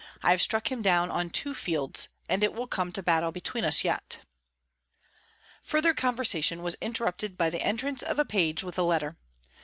I have struck him down on two fields, and it will come to battle between us yet." Further conversation was interrupted by the entrance of a page with a letter.